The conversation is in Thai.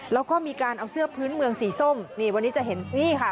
แล้วก็มีการเอาเสื้อพื้นเมืองสีส้มนี่วันนี้จะเห็นนี่ค่ะ